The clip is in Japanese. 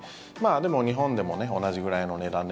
でも、日本でも同じぐらいの値段で。